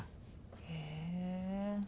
へえ。